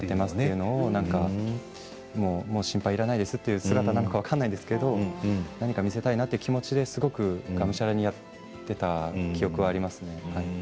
もう心配いらないですという姿か、分からないんですけど何か見せたいなという気持ちでがむしゃらにやっていた記憶がありますね。